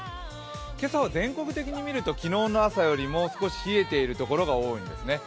今朝は全国的に見ると昨日の朝よりも少し冷えている所が多いんですね。